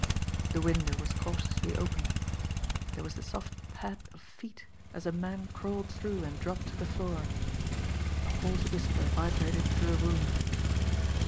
The window was cautiously opened. There was the soft pad of feet as a man crawled through and dropped to the floor. A hoarse whisper vibrated through the room.